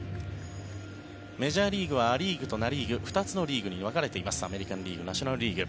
メジャーリーグはア・リーグとナ・リーグ２つのリーグに分かれています。アメリカン・リーグナショナル・リーグ。